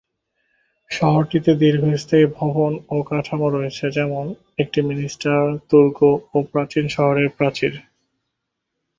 শহরটিতে দীর্ঘস্থায়ী ভবন ও কাঠামো রয়েছে, যেমন একটি মিনিস্টার, দুর্গ ও প্রাচীন শহরের প্রাচীর।